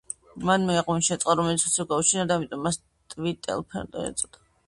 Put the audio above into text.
მანვე აღმოაჩინა წყარო, რომელიც უცებ გაუჩინარდა, ამიტომ მას ტვიფელფონტეინი უწოდა.